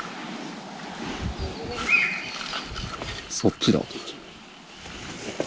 そっちだ。